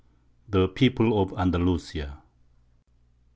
THE PEOPLE OF ANDALUSIA.